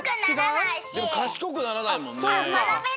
でもかしこくならないもんね。